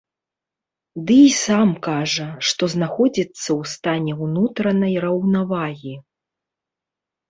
Ды і сам кажа, што знаходзіцца ў стане ўнутранай раўнавагі.